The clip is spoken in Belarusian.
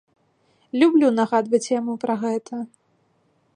Люблю нагадваць яму пра гэта!